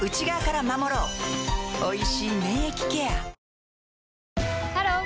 おいしい免疫ケアハロー！